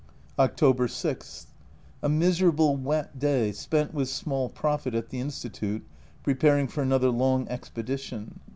October 6. A miserable, wet day, spent with small profit at the Institute preparing for another long expedition.